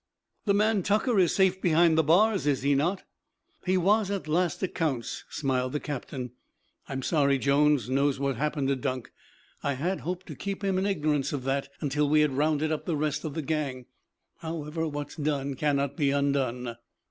"The man Tucker is safe behind the bars, is he not?" "He was at last accounts," smiled the captain. "I am sorry Jones knows what happened to Dunk. I had hoped to keep him in ignorance of that until we had rounded up the rest of the gang. However, what's done cannot be undone."